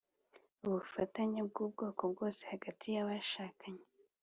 Ubufatanye bw ubwoko bwose hagati ya bashakanye